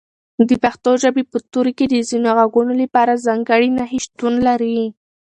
د پښتو ژبې په توري کې د ځینو غږونو لپاره ځانګړي نښې شتون لري.